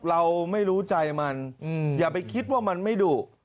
เราไม่รู้ใจมันอย่าไปคิดว่ามันไม่ดุ